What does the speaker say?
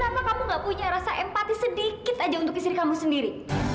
karena kamu gak punya rasa empati sedikit aja untuk istri kamu sendiri